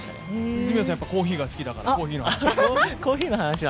泉谷さん、やっぱりコーヒーが好きだから、コーヒーの話を？